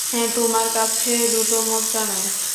তোমার কাছে দুটো মুদ্রা নাই।